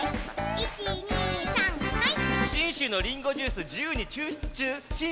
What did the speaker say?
１２３はい！